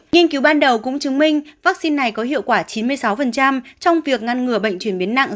nhiên cứu ban đầu cũng chứng minh vaccine này có hiệu quả chín